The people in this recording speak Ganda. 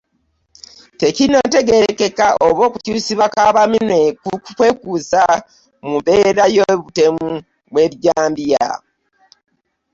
Tekinnategeerekeka oba okukyusibwa kwa Bamwine kwekuusa mu mbeera y'obutemu bw'ebijambiya.